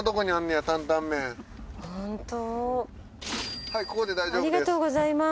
はいここで大丈夫です。